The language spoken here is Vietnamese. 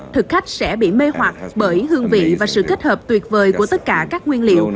thực khách sẽ bị mê hoạt bởi hương vị và sự kết hợp tuyệt vời của tất cả các nguyên liệu